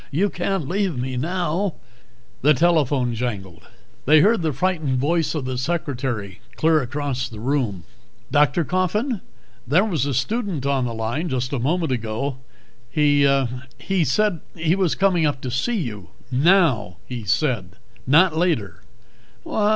You can't leave me now " The telephone jangled. They heard the frightened voice of the secretary clear across the room. "Dr. Coffin? There was a student on the line just a moment ago. He he said he was coming up to see you. Now, he said, not later."